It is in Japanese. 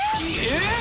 えっ？